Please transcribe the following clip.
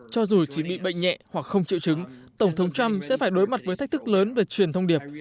cho dù chỉ bị bệnh nhẹ hoặc không chịu chứng tổng thống trump sẽ phải đối mặt với thách thức lớn về truyền thông điệp